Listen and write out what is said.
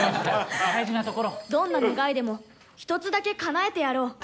どんな願いでも一つだけかなえてやろう。